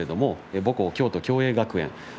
母校京都共栄学園です。